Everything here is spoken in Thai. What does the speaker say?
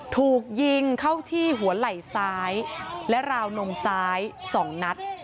ถูกยิงเข้าที่หัวไหล่ซ้ายและราวนมซ้าย๒นัด